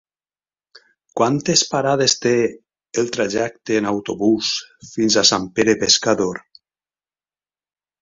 Quantes parades té el trajecte en autobús fins a Sant Pere Pescador?